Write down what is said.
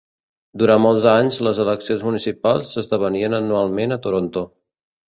Durant molts anys, les eleccions municipals s'esdevenien anualment a Toronto.